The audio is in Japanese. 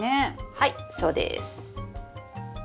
はいそうです。